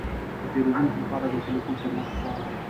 د پیرودونکو لپاره د تلیفون خدمت ګټور دی.